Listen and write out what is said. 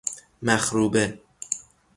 مخروبه